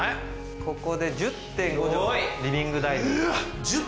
ここで１０．５帖のリビングダイニング。